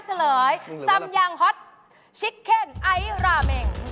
สำยังฮอตชิกเจ็นไอรามเม้ง